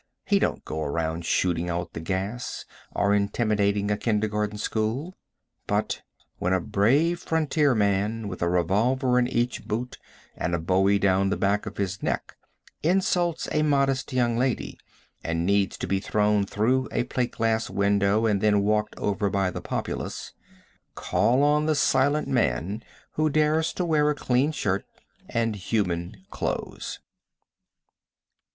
He don't go around shooting out the gas, or intimidating a kindergarten school; but when a brave frontiersman, with a revolver in each boot and a bowie down the back of his neck, insults a modest young lady, and needs to be thrown through a plate glass window and then walked over by the populace, call on the silent man who dares to wear a clean shirt and human clothes.